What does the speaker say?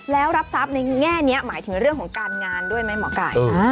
แล้วรับทรัพย์ในแง่นี้หมายถึงเรื่องของการงานด้วยไหมหมอไก่